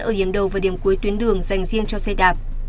ở điểm đầu và điểm cuối tuyến đường dành riêng cho xe đạp